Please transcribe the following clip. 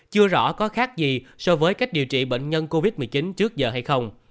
chưa rõ có khác gì so với cách điều trị bệnh nhân covid một mươi chín trước giờ hay không